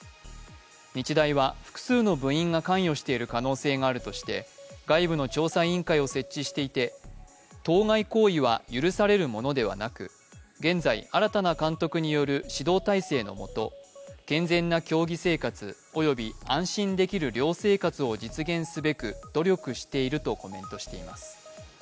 日大は、複数の部員が関与している可能性があるとして、外部の調査委員会を設置していて当該行為は許されるものではなく現在、新たな監督による指導体制のもと健全な競技生活及び安心できる寮生活を実現すべく努力しているとコメントしています。